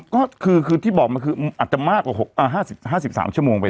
ก็คือคือที่บอกมันคืออาจจะมากกว่าหกอ่าห้าสิบห้าสิบสามชั่วโมงไป